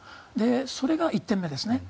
それが１点目ですね。